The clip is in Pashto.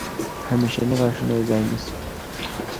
همیشني غاښونه یې ځای نیسي.